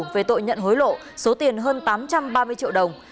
về tội nhận hối lộ số tiền hơn tám trăm ba mươi triệu đồng